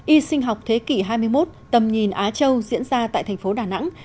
y sinh học thế kỷ hai mươi một tầm nhìn á châu diễn ra tại thành phố đà nẵng